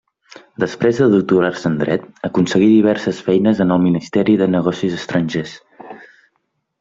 Després de doctorar-se en Dret, aconseguí diverses feines en el ministeri de Negocis estrangers.